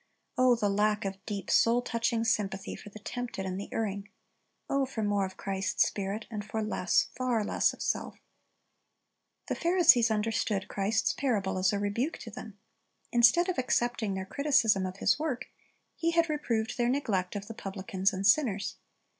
O, the lack of deep, soul touching sympathy for the tempted and the erring ! O for more of Christ's spirit, and for less, far less, of self! The Pharisees understood Christ's parable as a rebuke to them. Instead of accepting their criticism of His work, He had reproved their neglect of the publicans and sinners.